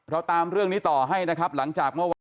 เราตามเรื่องนี้ต่อให้นะครับหลังจาก